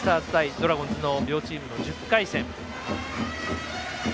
ドラゴンズの両チームの１０回戦。